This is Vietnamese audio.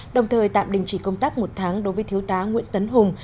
đồng thời tạm đình chỉ công tác một tháng đối với thiếu tá nguyễn tấn hùng